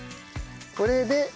これで。